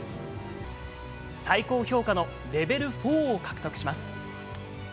最高評価のレベル４を獲得します。